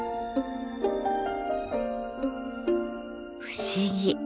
不思議。